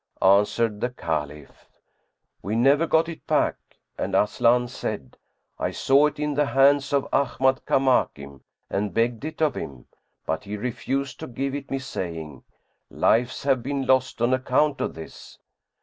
Answered the Caliph, "We never got it back," and Aslan said, "I saw it in the hands of Ahmad Kamakim and begged it of him; but he refused to give it me, saying, 'Lives have been lost on account of this.'